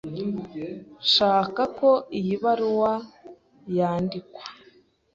Ndashaka ko iyi baruwa yandikwa.